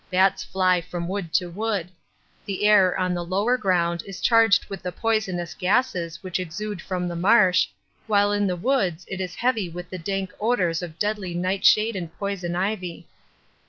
Bats fly from wood to wood. The air on the lower ground is charged with the poisonous gases which exude from the marsh, while in the woods it is heavy with the dank odours of deadly nightshade and poison ivy.